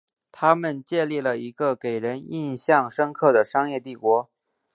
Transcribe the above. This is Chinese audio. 他们建立了一个给人印象深刻的商业帝国。